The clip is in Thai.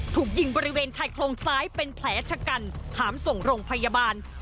ถูกยิงบริเวณชายโครงซ้ายเป็นแผลชะกันหามส่งโรงพยาบาล